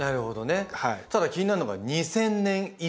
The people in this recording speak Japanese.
ただ気になるのが２０００年以前それは。